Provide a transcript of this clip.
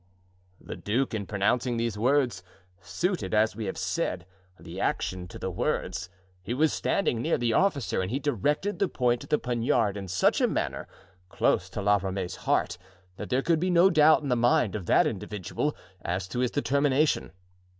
'" The duke, in pronouncing these words, suited, as we have said, the action to the words. He was standing near the officer and he directed the point of the poniard in such a manner, close to La Ramee's heart, that there could be no doubt in the mind of that individual as to his determination.